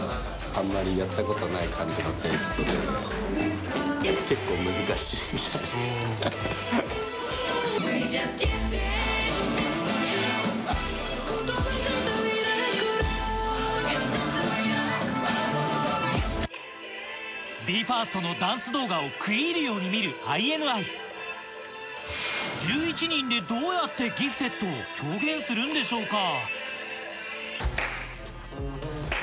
あんまりやったことない感じのテイストで結構難しいみたい。ＢＥ：ＦＩＲＳＴ のダンス動画を食い入るように見る ＩＮＩ１１ 人でどうやって『Ｇｉｆｔｅｄ．』を表現するんでしょうか？